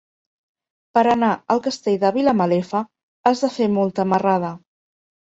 Per anar al Castell de Vilamalefa has de fer molta marrada.